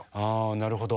なるほど。